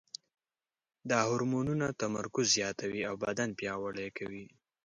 دا هورمونونه تمرکز زیاتوي او بدن پیاوړی کوي.